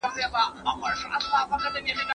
تاسې استعداد لرئ